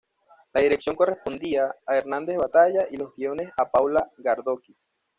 La dirección correspondía a Hernández Batalla y los guiones a Paula Gardoqui.